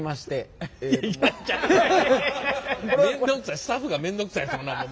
スタッフがめんどくさいそんなもん。